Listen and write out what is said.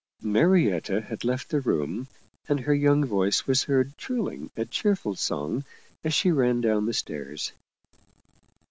Marietta had left the room, and her young voice was heard trilling a cheerful song as she ran down the stairs.